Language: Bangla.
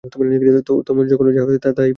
তোর মনে যখন যাহা হয় বলিস না কেন?